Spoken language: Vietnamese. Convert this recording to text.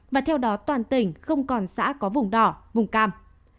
và theo đó toàn tỉnh không còn xã có vùng đỏ vùng cam